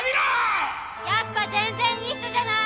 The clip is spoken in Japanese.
やっぱ全然いい人じゃない！